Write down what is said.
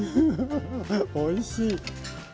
おいしい。